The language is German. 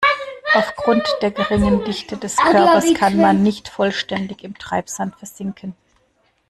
Aufgrund der geringeren Dichte des Körpers kann man nicht vollständig im Treibsand versinken.